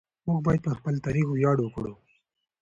موږ باید پر خپل تاریخ ویاړ وکړو.